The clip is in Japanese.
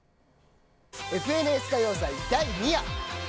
「ＦＮＳ歌謡祭第２夜」。